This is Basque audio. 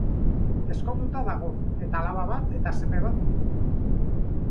Ezkonduta dago, eta alaba bat eta seme bat ditu.